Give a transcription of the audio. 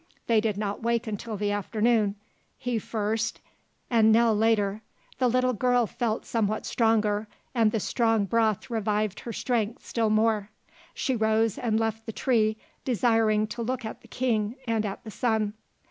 They did not wake until the afternoon he first and Nell later. The little girl felt somewhat stronger and the strong broth revived her strength still more; she rose and left the tree, desiring to look at the King and at the sun.